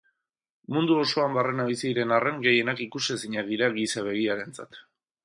Mundu osoan barrena bizi diren arren, gehienak ikusezinak dira giza begiarentzat.